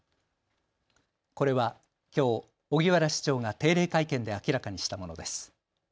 これはきょう荻原市長が定例会見で明らかにしたものです。